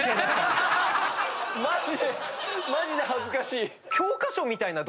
マジでマジで恥ずかしい。